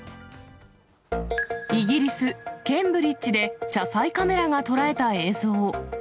イギリス・ケンブリッジで車載カメラが捉えた映像。